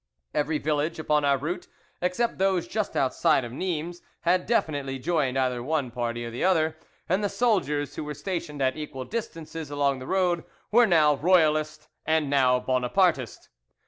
Every village upon our route except those just outside of Nimes had definitely joined either one party or the other, and the soldiers, who were stationed at equal distances along the road, were now Royalist and now Bonapartist.